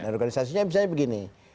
organisasinya misalnya begini